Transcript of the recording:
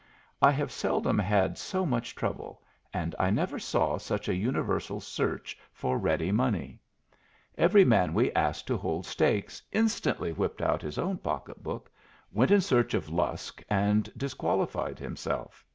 I have seldom had so much trouble, and I never saw such a universal search for ready money. Every man we asked to hold stakes instantly whipped out his own pocketbook, went in search of Lusk, and disqualified himself.